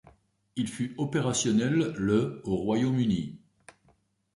Il fut opérationnel le au Royaume-Uni.